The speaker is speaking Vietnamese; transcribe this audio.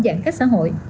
giãn cách xã hội